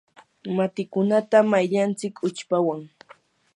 matikunata mayllantsik uchpawan.